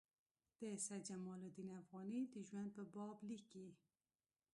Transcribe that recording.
د سید جمال الدین افغاني د ژوند په باب لیکي.